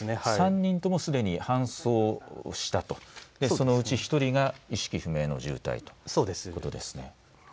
３人ともすでに搬送したとそのうち１人が意識不明の重体だということですね。